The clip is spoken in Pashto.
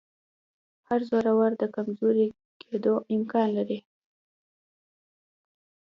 هر زورور د کمزوري کېدو امکان لري